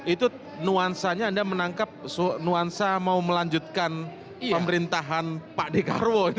itu nuansanya anda menangkap nuansa mau melanjutkan pemerintahan pak dekarwo